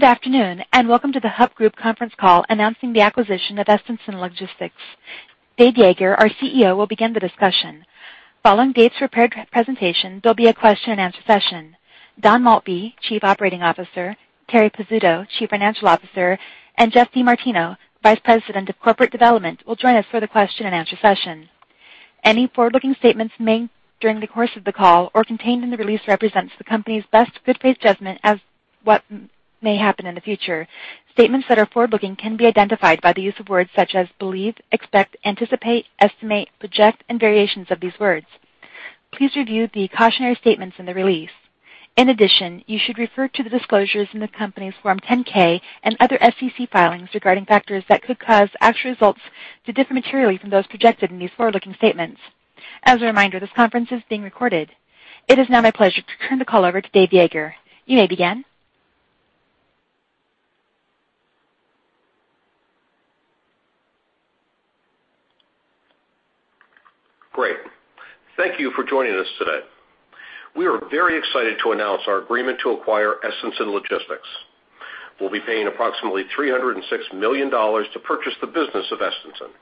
Good afternoon, and welcome to the Hub Group conference call announcing the acquisition of Estenson Logistics. Dave Yeager, our CEO, will begin the discussion. Following Dave's prepared presentation, there'll be a question-and-answer session. Don Maltby, Chief Operating Officer, Terri Pizzuto, Chief Financial Officer, and Geoff DeMartino, Vice President of Corporate Development, will join us for the question-and-answer session. Any forward-looking statements made during the course of the call or contained in the release represents the company's best good faith judgment as what may happen in the future. Statements that are forward-looking can be identified by the use of words such as believe, expect, anticipate, estimate, project, and variations of these words. Please review the cautionary statements in the release. In addition, you should refer to the disclosures in the company's Form 10-K and other SEC filings regarding factors that could cause actual results to differ materially from those projected in these forward-looking statements. As a reminder, this conference is being recorded. It is now my pleasure to turn the call over to Dave Yeager. You may begin. Great. Thank you for joining us today. We are very excited to announce our agreement to acquire Estenson Logistics. We'll be paying approximately $306 million to purchase the business of Estenson.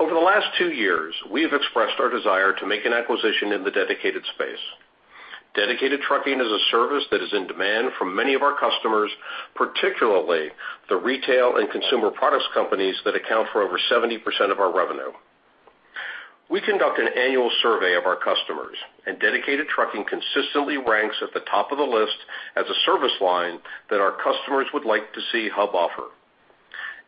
Over the last two years, we have expressed our desire to make an acquisition in the dedicated space. Dedicated trucking is a service that is in demand from many of our customers, particularly the retail and consumer products companies that account for over 70% of our revenue. We conduct an annual survey of our customers, and dedicated trucking consistently ranks at the top of the list as a service line that our customers would like to see Hub offer.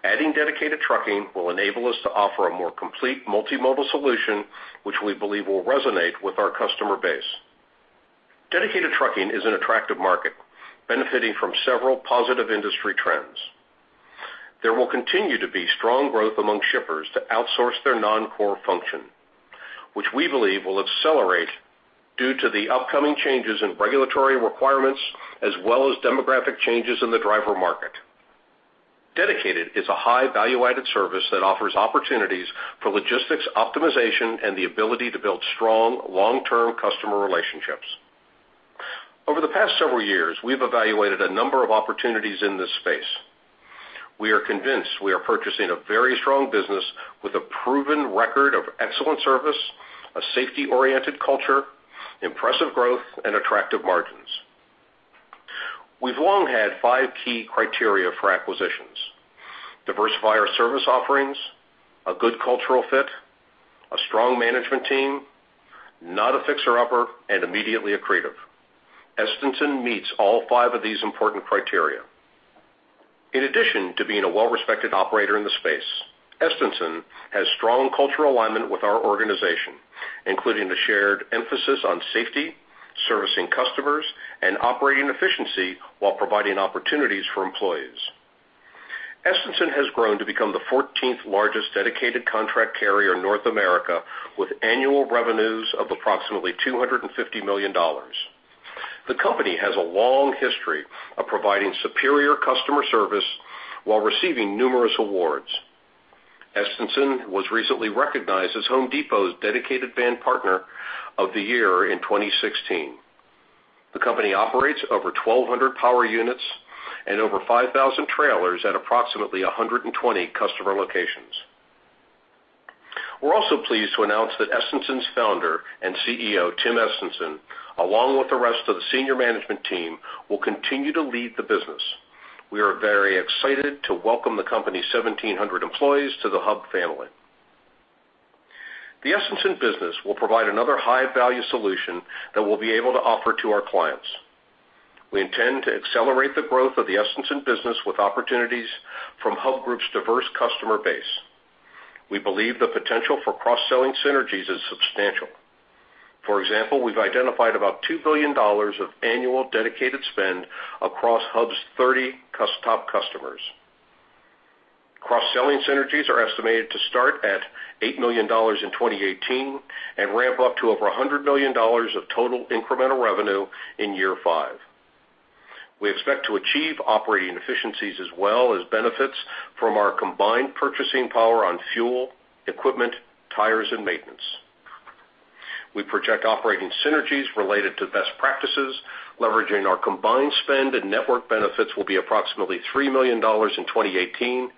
Adding dedicated trucking will enable us to offer a more complete multimodal solution, which we believe will resonate with our customer base. Dedicated trucking is an attractive market, benefiting from several positive industry trends. There will continue to be strong growth among shippers to outsource their non-core function, which we believe will accelerate due to the upcoming changes in regulatory requirements as well as demographic changes in the driver market. Dedicated is a high value-added service that offers opportunities for logistics optimization and the ability to build strong, long-term customer relationships. Over the past several years, we've evaluated a number of opportunities in this space. We are convinced we are purchasing a very strong business with a proven record of excellent service, a safety-oriented culture, impressive growth, and attractive margins. We've long had five key criteria for acquisitions: diversify our service offerings, a good cultural fit, a strong management team, not a fixer-upper, and immediately accretive. Estenson meets all five of these important criteria. In addition to being a well-respected operator in the space, Estenson has strong cultural alignment with our organization, including the shared emphasis on safety, servicing customers, and operating efficiency while providing opportunities for employees. Estenson has grown to become the 14th largest dedicated contract carrier in North America, with annual revenues of approximately $250 million. The company has a long history of providing superior customer service while receiving numerous awards. Estenson was recently recognized as Home Depot's Dedicated Van Partner of the Year in 2016. The company operates over 1,200 power units and over 5,000 trailers at approximately 120 customer locations. We're also pleased to announce that Estenson's founder and CEO, Tim Estenson, along with the rest of the senior management team, will continue to lead the business. We are very excited to welcome the company's 1,700 employees to the Hub family. The Estenson business will provide another high-value solution that we'll be able to offer to our clients. We intend to accelerate the growth of the Estenson business with opportunities from Hub Group's diverse customer base. We believe the potential for cross-selling synergies is substantial. For example, we've identified about $2 billion of annual dedicated spend across Hub's 30 top customers. Cross-selling synergies are estimated to start at $8 million in 2018 and ramp up to over $100 million of total incremental revenue in year five. We expect to achieve operating efficiencies as well as benefits from our combined purchasing power on fuel, equipment, tires, and maintenance. We project operating synergies related to best practices, leveraging our combined spend and network benefits will be approximately $3 million in 2018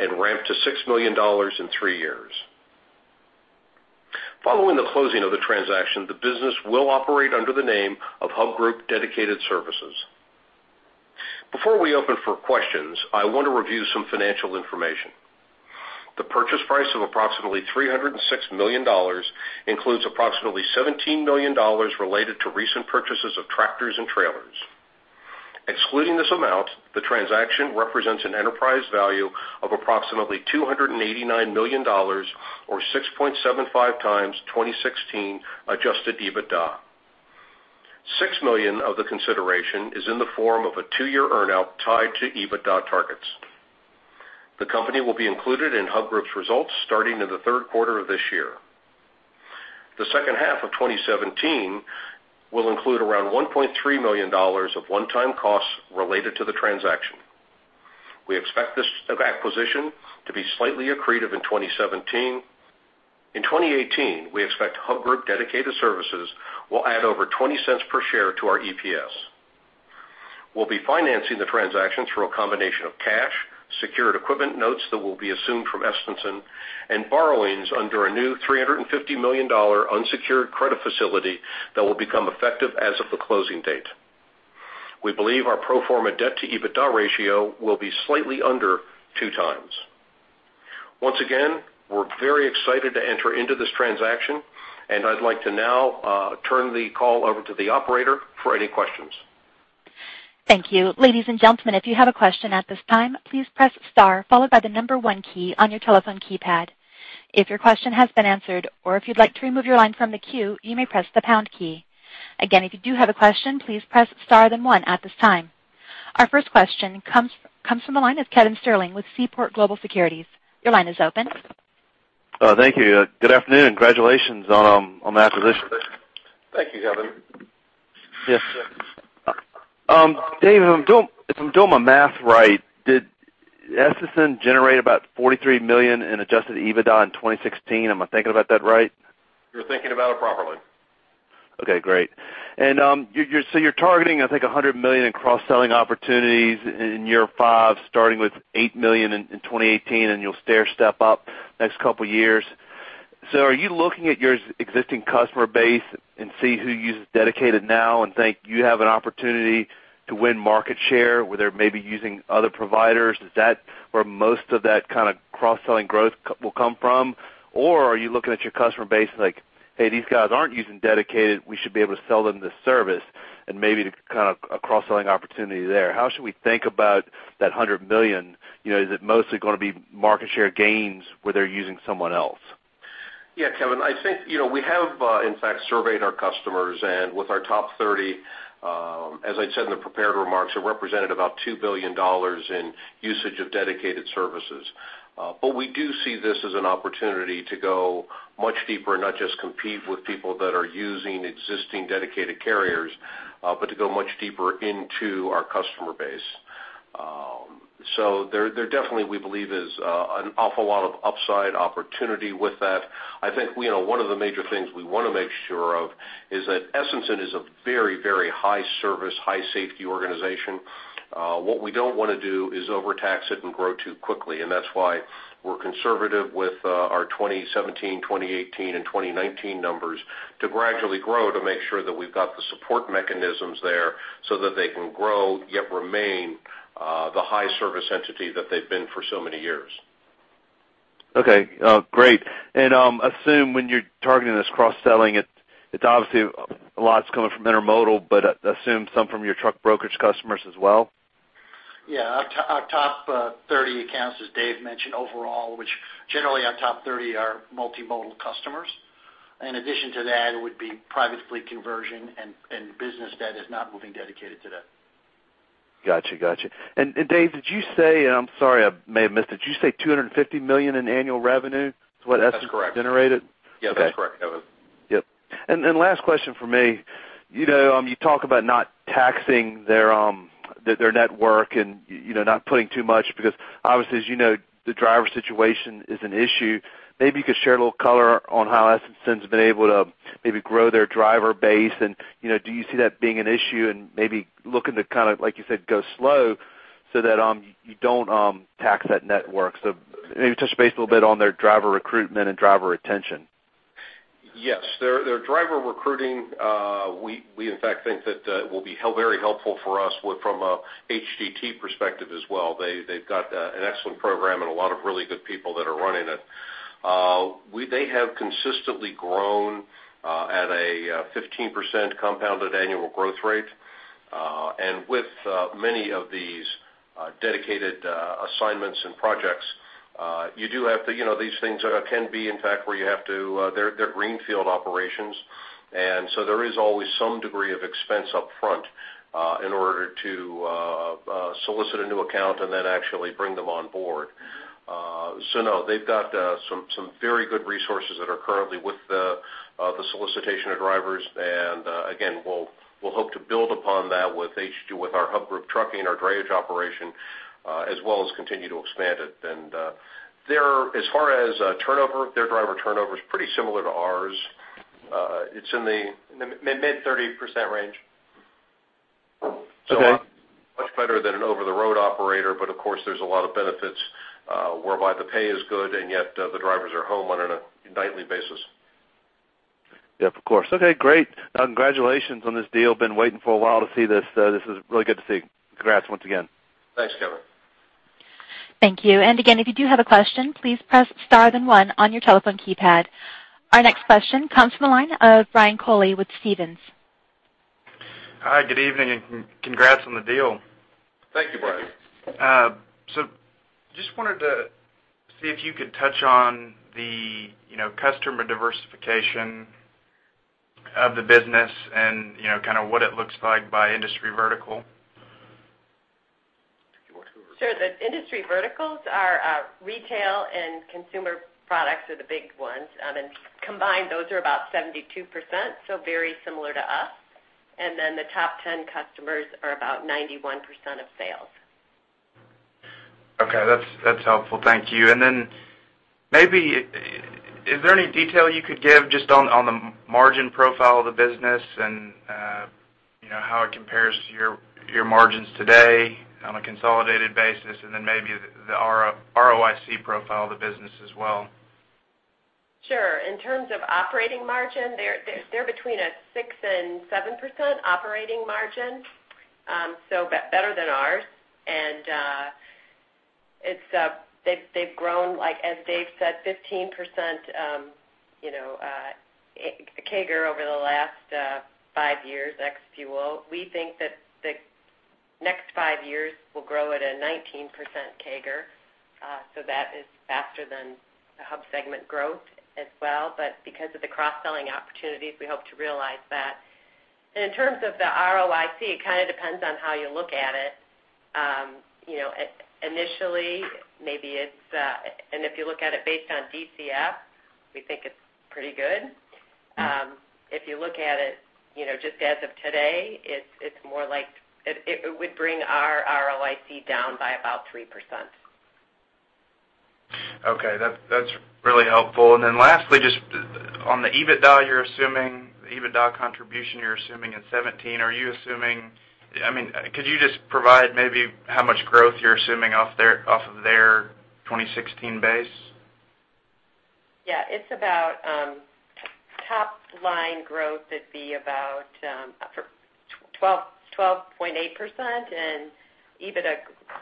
and ramp to $6 million in three years. Following the closing of the transaction, the business will operate under the name of Hub Group Dedicated Services. Before we open for questions, I want to review some financial information. The purchase price of approximately $306 million includes approximately $17 million related to recent purchases of tractors and trailers. Excluding this amount, the transaction represents an enterprise value of approximately $289 million or 6.75x 2016 Adjusted EBITDA. $6 million of the consideration is in the form of a two-year earn-out tied to EBITDA targets. The company will be included in Hub Group's results starting in the third quarter of this year. The second half of 2017 will include around $1.3 million of one-time costs related to the transaction. We expect this acquisition to be slightly accretive in 2017. In 2018, we expect Hub Group Dedicated Services will add over $0.20 per share to our EPS. We'll be financing the transaction through a combination of cash, secured equipment notes that will be assumed from Estenson, and borrowings under a new $350 million unsecured credit facility that will become effective as of the closing date. We believe our pro forma debt-to-EBITDA ratio will be slightly under 2x. Once again, we're very excited to enter into this transaction, and I'd like to now turn the call over to the operator for any questions. Thank you. Ladies and gentlemen, if you have a question at this time, please press star followed by the number one key on your telephone keypad. If your question has been answered, or if you'd like to remove your line from the queue, you may press the pound key. Again, if you do have a question, please press star, then one at this time. Our first question comes from the line of Kevin Sterling with Seaport Global Securities. Your line is open. Thank you. Good afternoon, and congratulations on the acquisition. Thank you, Kevin. Yes. Dave, if I'm doing my math right, did Estenson generate about $43 million in Adjusted EBITDA in 2016? Am I thinking about that right? You're thinking about it properly. Okay, great. And, you're, so you're targeting, I think, $100 million in cross-selling opportunities in year five, starting with $8 million in, in 2018, and you'll stair-step up next couple years. So are you looking at your existing customer base and see who uses Dedicated now and think you have an opportunity to win market share, where they're maybe using other providers? Is that where most of that kind of cross-selling growth will come from? Or are you looking at your customer base like, "Hey, these guys aren't using Dedicated, we should be able to sell them this service," and maybe kind of a cross-selling opportunity there? How should we think about that $100 million? You know, is it mostly going to be market share gains where they're using someone else? Yeah, Kevin, I think, you know, we have, in fact, surveyed our customers, and with our top 30, as I said in the prepared remarks, it represented about $2 billion in usage of dedicated services. But we do see this as an opportunity to go much deeper, and not just compete with people that are using existing dedicated carriers, but to go much deeper into our customer base. So there, there definitely, we believe, is, an awful lot of upside opportunity with that. I think, you know, one of the major things we want to make sure of is that Estenson is a very, very high-service, high-safety organization. What we don't want to do is overtax it and grow too quickly, and that's why we're conservative with our 2017, 2018, and 2019 numbers to gradually grow to make sure that we've got the support mechanisms there so that they can grow, yet remain the high-service entity that they've been for so many years. Okay, great. And, assume when you're targeting this cross-selling, it's obviously a lot's coming from intermodal, but I assume some from your truck brokerage customers as well? Yeah, our top 30 accounts, as Dave mentioned, overall, which generally our top 30 are multimodal customers. In addition to that, it would be private fleet conversion and business that is not moving dedicated today. Gotcha, gotcha. And, Dave, did you say, I'm sorry, I may have missed it. Did you say $250 million in annual revenue is what Estenson- That's correct. - generated? Yeah, that's correct, Kevin. Yep. And last question for me: You know, you talk about not taxing their network and, you know, not putting too much, because obviously, as you know, the driver situation is an issue. Maybe you could share a little color on how Estenson's been able to maybe grow their driver base, and, you know, do you see that being an issue and maybe looking to kind of, like you said, go slow so that you don't tax that network? So maybe touch base a little bit on their driver recruitment and driver retention. Yes. Their driver recruiting, we, in fact, think that will be very helpful for us with from a HDT perspective as well. They've got an excellent program and a lot of really good people that are running it. They have consistently grown at a 15% compounded annual growth rate. And with many of these dedicated assignments and projects, you do have the, you know, these things can be, in fact, where you have to, they're greenfield operations, and so there is always some degree of expense up front in order to solicit a new account and then actually bring them on board. So no, they've got some very good resources that are currently with the solicitation of drivers, and again, we'll hope to build upon that with our Hub Group Trucking, our drayage operation, as well as continue to expand it. Their driver turnover is pretty similar to ours. It's in the mid-30% range. Okay. Not much better than an over-the-road operator, but of course, there's a lot of benefits, whereby the pay is good, and yet, the drivers are home on a nightly basis. Yep, of course. Okay, great. Congratulations on this deal. Been waiting for a while to see this. This is really good to see. Congrats once again. Thanks, Kevin. Thank you. Again, if you do have a question, please press star then one on your telephone keypad. Our next question comes from the line of Brad Delco with Stephens. Hi, good evening, and congrats on the deal. Thank you, Brian. So, just wanted to see if you could touch on the, you know, customer diversification of the business and, you know, kind of what it looks like by industry vertical? Do you want to go over? Sure. The industry verticals are, retail and consumer products are the big ones. And combined, those are about 72%, so very similar to us. Then the top 10 customers are about 91% of sales. Okay, that's helpful. Thank you. And then maybe, is there any detail you could give just on the margin profile of the business and, you know, how it compares to your margins today on a consolidated basis, and then maybe the ROIC profile of the business as well? Sure. In terms of operating margin, they're between a 6%-7% operating margin, so better than ours. And it's, they've grown, like, as Dave said, 15%, you know, CAGR over the last five years, ex-fuel. We think that the next five years will grow at a 19% CAGR, so that is faster than the Hub segment growth as well. But because of the cross-selling opportunities, we hope to realize that. And in terms of the ROIC, it kind of depends on how you look at it. You know, initially, maybe it's -- and if you look at it based on DCF, we think it's pretty good. If you look at it, you know, just as of today, it's more like it would bring our ROIC down by about 3%. Okay. That's, that's really helpful. And then lastly, just on the EBITDA, you're assuming the EBITDA contribution you're assuming in 2017, are you assuming... I mean, could you just provide maybe how much growth you're assuming off of their 2016 base? Yeah. It's about top line growth would be about 12.8%, and EBITDA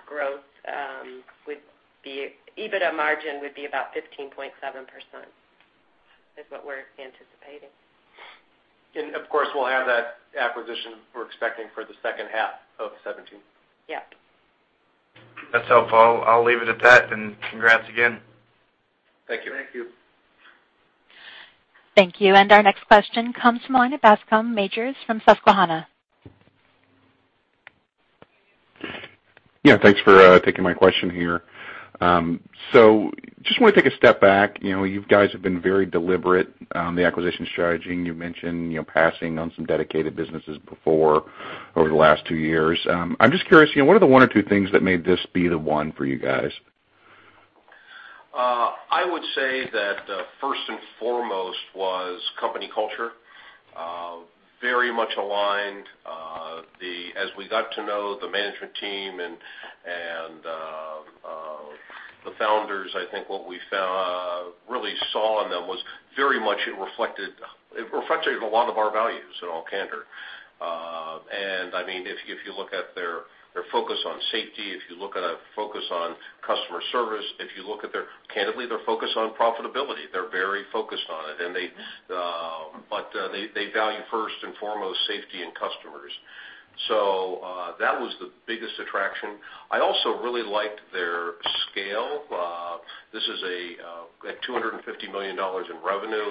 growth would be. EBITDA margin would be about 15.7%, is what we're anticipating. Of course, we'll have that acquisition we're expecting for the second half of 2017. Yep. That's helpful. I'll leave it at that, and congrats again. Thank you. Thank you. Thank you. Our next question comes from the line of Bascome Majors from Susquehanna. Yeah, thanks for taking my question here. So just want to take a step back. You know, you guys have been very deliberate on the acquisition strategy, and you mentioned, you know, passing on some dedicated businesses before over the last two years. I'm just curious, you know, what are the one or two things that made this be the one for you guys? I would say that first and foremost was company culture. Very much aligned. As we got to know the management team and the founders, I think what we found really saw in them was very much it reflected, it reflected a lot of our values in all candor. And I mean, if you look at their focus on safety, if you look at a focus on customer service, if you look at their candidly their focus on profitability, they're very focused on it, and they but they value first and foremost safety and customers. That was the biggest attraction. I also really liked their scale. This is a $250 million in revenue,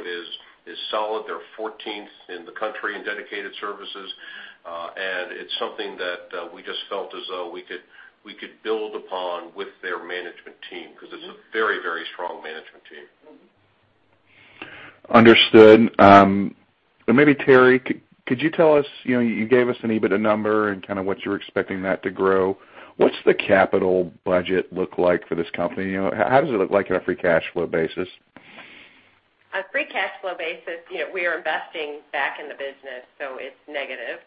is solid. They're fourteenth in the country in dedicated services, and it's something that we just felt as though we could build upon with their management team, because it's a very, very strong management team. Understood. Maybe, Terri, could you tell us, you know, you gave us an EBITDA number and kind of what you're expecting that to grow. What's the capital budget look like for this company? You know, how does it look like on a free cash flow basis? A free cash flow basis, you know, we are investing back in the business, so it's negative.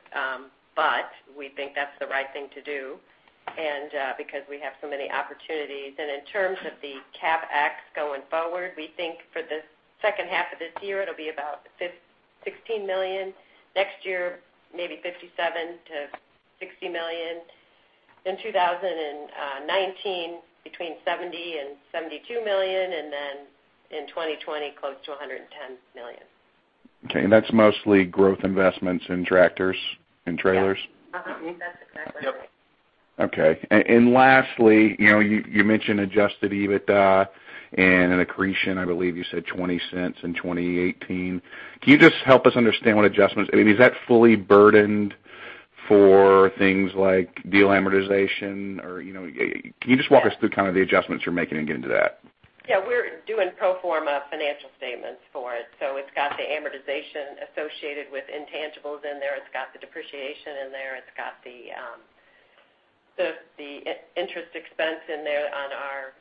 But we think that's the right thing to do, and because we have so many opportunities. And in terms of the CapEx going forward, we think for the second half of this year, it'll be about $16 million. Next year, maybe $57 million-$60 million. In 2019, between $70 million and $72 million, and then in 2020, close to $110 million. Okay. That's mostly growth investments in tractors and trailers? Yeah. That's exactly. Yep. Okay. And lastly, you know, you mentioned Adjusted EBITDA and an accretion, I believe you said $0.20 in 2018. Can you just help us understand what adjustments? I mean, is that fully burdened for things like deal amortization, or, you know, can you just walk us through kind of the adjustments you're making and get into that? Yeah, we're doing pro forma financial statements for it, so it's got the amortization associated with intangibles in there, it's got the depreciation in there, it's got the interest expense in there on our,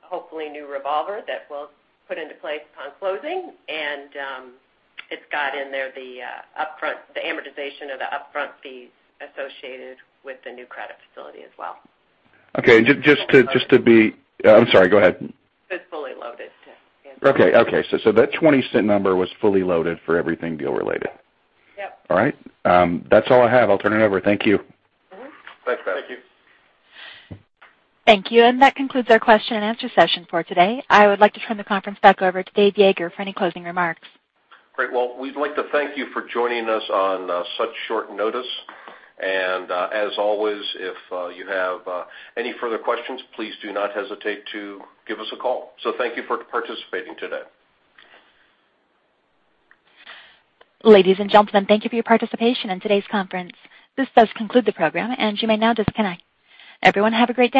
hopefully, new revolver that we'll put into place upon closing. And, it's got in there the upfront, the amortization of the upfront fees associated with the new credit facility as well. Okay. Just to be... I'm sorry. Go ahead. It's fully loaded, too. Okay. So, that $0.20 number was fully loaded for everything deal related? Yep. All right. That's all I have. I'll turn it over. Thank you. Thanks, Bascome. Thank you. Thank you. That concludes our question and answer session for today. I would like to turn the conference back over to Dave Yeager for any closing remarks. Great. Well, we'd like to thank you for joining us on such short notice. And, as always, if you have any further questions, please do not hesitate to give us a call. So thank you for participating today. Ladies and gentlemen, thank you for your participation in today's conference. This does conclude the program, and you may now disconnect. Everyone, have a great day.